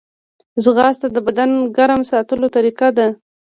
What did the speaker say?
ځغاسته د بدن ګرم ساتلو طریقه ده